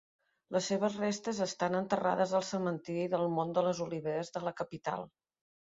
Les seves restes estan enterrats al Cementiri del Mont de les Oliveres de la capital.